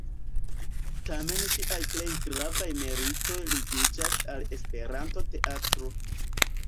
Tamen ŝiaj plej gravaj meritoj ligiĝas al Esperanto-teatro.